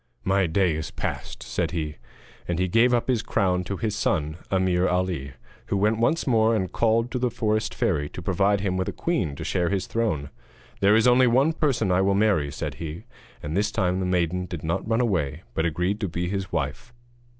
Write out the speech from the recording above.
'My day is past,' said he. And he gave up his crown to his son Ameer Ali, who went once more and called to the forest fairy to provide him with a queen to share his throne. 'There is only one person I will marry,' said he. And this time the maiden did not run away, but agreed to be his wife.